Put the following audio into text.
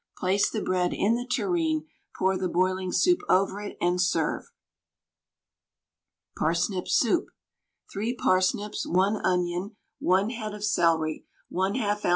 Place the bread in the tureen, pour the boiling soup over it, and serve. PARSNIP SOUP. 3 parsnips, 1 onion, 1 head of celery, 1/2 oz.